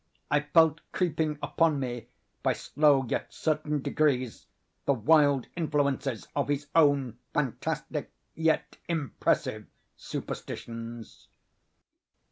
I felt creeping upon me, by slow yet certain degrees, the wild influences of his own fantastic yet impressive superstitions.